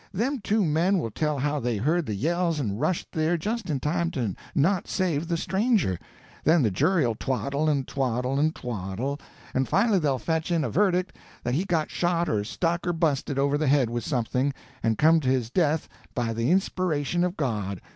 Them two men will tell how they heard the yells and rushed there just in time to not save the stranger. Then the jury'll twaddle and twaddle and twaddle, and finally they'll fetch in a verdict that he got shot or stuck or busted over the head with something, and come to his death by the inspiration of God.